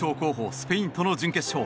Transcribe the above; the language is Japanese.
スペインとの準決勝。